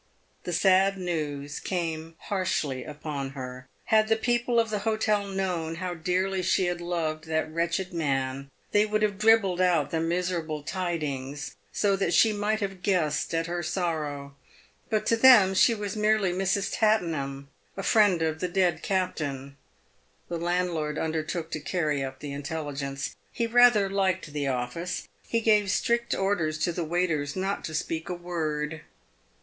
The sad news came harshly upon her. Had the people of the hotel known how dearly she had loved that wretched man, they would have dribbled out the miserable tidings so that she might have guessed at her sorrow. But to them she was merely Mrs. Tattenham, a friend of the dead captain. The landlord undertook to carry up the intelligence. He rather liked the office. He gave strict orders to the waiters not to speak a word.